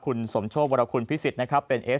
คุณสมโชควรคุณพิสิทธิ์นะครับ